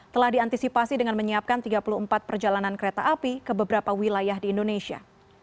telah diantisipasi dengan menyiapkan tiga puluh empat perjalanan kereta api ke beberapa wilayah di indonesia